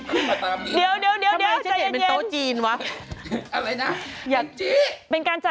ช่วงนี้ก็บวชจัก